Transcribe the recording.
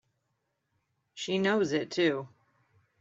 She knows it too!